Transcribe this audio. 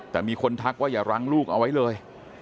แต่มีคนทักว่าอย่ารั้งลูกเอาไว้เลย